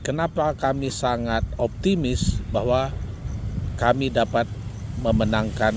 kenapa kami sangat optimis bahwa kami dapat memenangkan